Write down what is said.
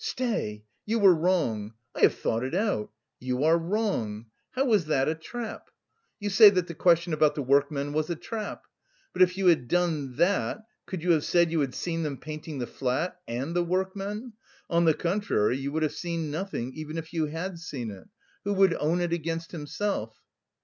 "Stay! you were wrong. I have thought it out. You are wrong! How was that a trap? You say that the question about the workmen was a trap. But if you had done that, could you have said you had seen them painting the flat... and the workmen? On the contrary, you would have seen nothing, even if you had seen it. Who would own it against himself?"